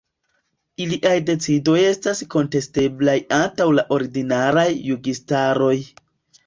Iliaj decidoj estas kontesteblaj antaŭ la ordinaraj juĝistaroj.